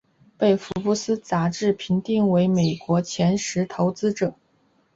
被福布斯杂志评选为美国前十投资者。